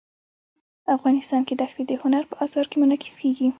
افغانستان کې ښتې د هنر په اثار کې منعکس کېږي.